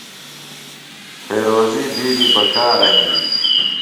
فیروزی بِیڈیۡ بکارہ ہِنم۔